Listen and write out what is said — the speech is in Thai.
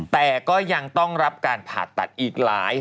แต่ก็ยังต้องรับการผ่าตัดอีกหลาย